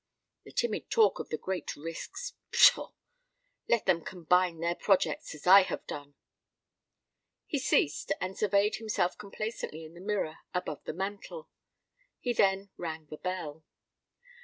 The timid talk of the great risks—Pshaw! Let them combine their projects as I have done!" He ceased, and surveyed himself complacently in the mirror above the mantel. He then rang the bell.